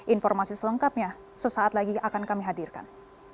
informasi selengkapnya sesaat lagi akan kami hadirkan